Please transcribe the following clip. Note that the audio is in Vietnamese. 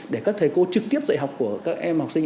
để các thầy cô trực tiếp dạy học của các em học sinh